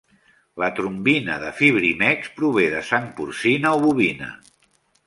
La trombina de Fibrimex prové de sang porcina o bovina.